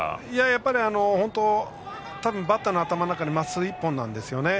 やっぱりバッターの頭の中はまっすぐ一本なんですね。